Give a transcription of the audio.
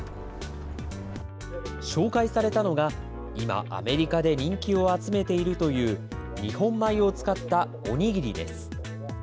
紹介されたのが今、アメリカで人気を集めているという、日本米を使ったお握りです。